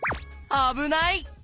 あぶない！